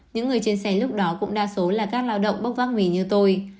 những người trên xe lúc đó cũng đa số là các lao động bốc vác mì như tôi